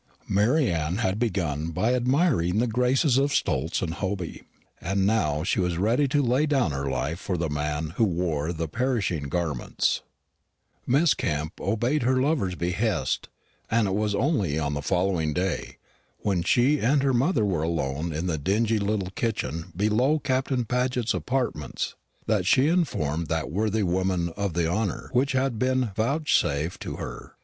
Mary Anne had begun by admiring the graces of Stultz and Hoby, and now she was ready to lay down her life for the man who wore the perishing garments. Miss Kepp obeyed her lover's behest; and it was only on the following day, when she and her mother were alone together in the dingy little kitchen below Captain Paget's apartments, that she informed that worthy woman of the honour which had been vouchsafed to her.